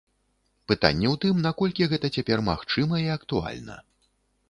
Пытанне ў тым, наколькі гэта цяпер магчыма і актуальна.